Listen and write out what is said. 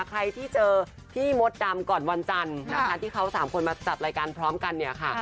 ใครที่เจอพี่มดดำก่อนวันจันทร์นะคะที่เขาสามคนมาจัดรายการพร้อมกันเนี่ยค่ะ